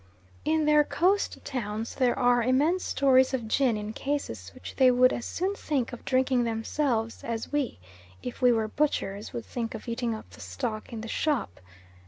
In their Coast towns there are immense stores of gin in cases, which they would as soon think of drinking themselves as we, if we were butchers, would think of eating up the stock in the shop.